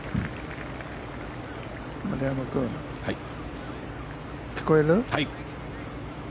丸山君、聞こえる？